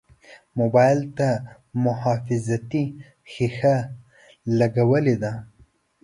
موبایل ته محافظتي شیشه لګولې ده.